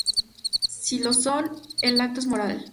Si lo son, el acto es moral.